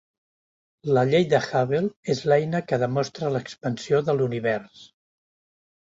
La llei de Hubble és l'eina que demostra l'expansió de l'univers.